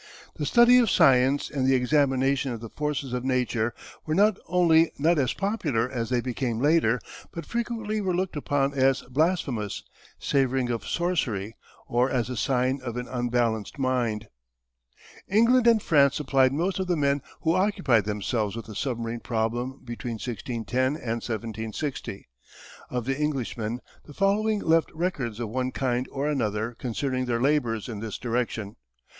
The study of science and the examination of the forces of nature were not only not as popular as they became later, but frequently were looked upon as blasphemous, savouring of sorcery, or as a sign of an unbalanced mind. [Illustration: © Kadel & Herbert. A Gas Attack Photographed from an Airplane.] England and France supplied most of the men who occupied themselves with the submarine problem between 1610 and 1760. Of the Englishmen, the following left records of one kind or another concerning their labours in this direction.